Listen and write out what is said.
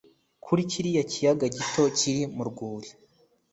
kuri kiriya kiyaga gito kiri mu rwuri